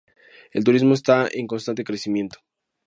El turismo está en constante crecimiento.